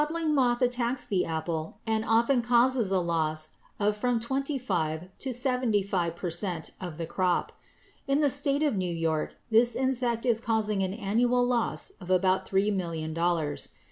= The codling moth attacks the apple and often causes a loss of from twenty five to seventy five per cent of the crop. In the state of New York this insect is causing an annual loss of about three million dollars.